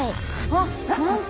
あっ何か。